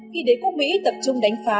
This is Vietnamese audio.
khi đế quốc mỹ tập trung đánh phá